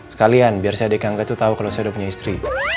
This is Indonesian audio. sekalian biar si adiknya angga tuh tau kalau saya udah punya istri